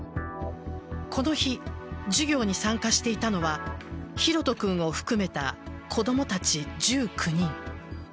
この日、授業に参加していたのは拓杜君を含めた子供たち１９人。